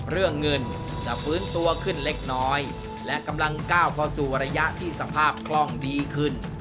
เรื่องเงินจะฟื้นตัวขึ้นเล็กน้อยและกำลังก้าวเข้าสู่ระยะที่สภาพคล่องดีขึ้น